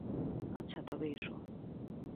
আচ্ছা তবে এস।